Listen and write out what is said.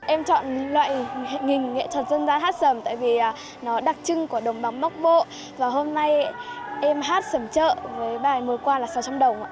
em chọn loại hình nghệ thuật dân gian hát sầm tại vì nó đặc trưng của đồng bóng bộ và hôm nay em hát sầm chợ với bài mới qua là sáu trăm linh đồng